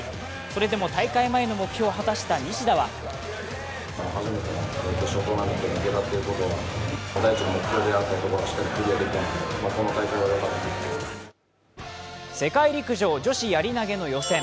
それでも大会前の目標を果たした西田は世界陸上女子やり投の予選。